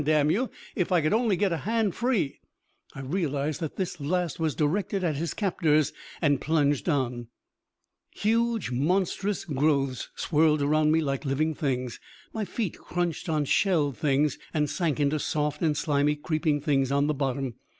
Damn you, if I could only get a hand free " I realized that this last was directed at his captors, and plunged on. Huge, monstrous growths swirled around me like living things. My feet crunched on shelled things, and sank into soft and slimy creeping things on the bottom.